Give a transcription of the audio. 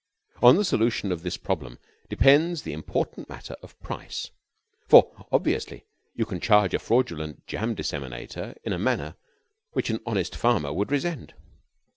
On the solution of this problem depends the important matter of price, for, obviously, you can charge a fraudulent jam disseminator in a manner which an honest farmer would resent.